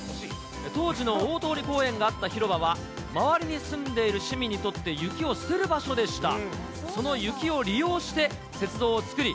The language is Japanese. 当時の大通公園があった広場は、周りに住んでいる市民にとって、雪を捨てる場所でした。